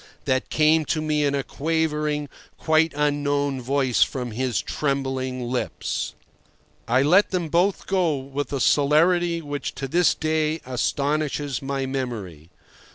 that came to me in a quavering, quite unknown voice from his trembling lips. I let them both go with a celerity which to this day astonishes my memory.